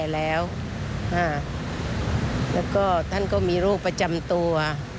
แล้วก็ท่านก็มีโรคประจำตัว